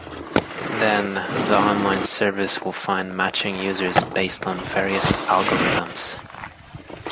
Then the online service will find matching users based on various algorithms.